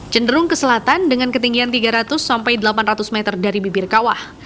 cenderung ke selatan dengan ketinggian tiga ratus sampai delapan ratus meter dari bibir kawah